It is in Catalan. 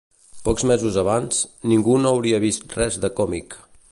Pocs mesos abans, ningú no hauria vist res de còmic